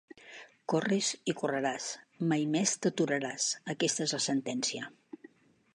«Corres i correràs. Mai més t’aturaràs.» Aquesta és la sentència.